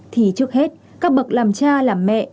trước hết các bậc làm cha làm mẹ